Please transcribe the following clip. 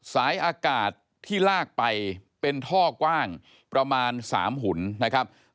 สายอากาศที่ลากไปเป็นท่อกว้างประมาณ๓หุ่นนะครับ